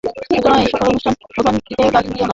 সুতরাং এই-সকল অনুষ্ঠান ও পুরাণাদিকে গালি দিও না।